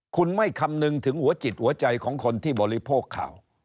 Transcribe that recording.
คุณไม่คำนึงถึงหัวจิตหัวใจของคนที่บริโภคข่าว